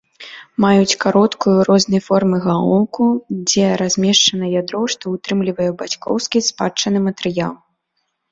Маюць кароткую, рознай формы галоўку, дзе размешчана ядро, што ўтрымлівае бацькоўскі спадчынны матэрыял.